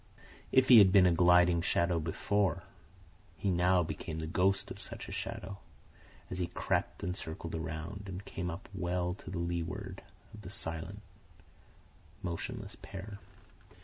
If he had been a gliding shadow before, he now became the ghost of such a shadow, as he crept and circled around, and came up well to leeward of the silent, motionless pair.